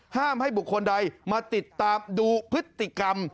ห้ามให้บุคคลใดมาติดตามดูพฤติกรรม